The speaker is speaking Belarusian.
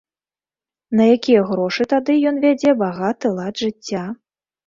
На якія грошы тады ён вядзе багаты лад жыцця?